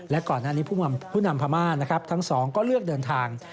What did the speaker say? และก่อนหน้านี้ผู้นำพม่านะครับทั้งสองก็เลือกเดินทาง